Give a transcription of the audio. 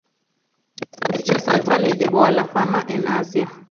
Dicha salsa le llevó a la fama en Asia.